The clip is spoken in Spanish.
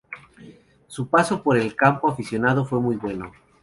Su paso por el campo aficionado fue muy bueno.